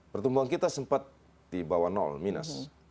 pertumbuhan kita sempat di bawah minus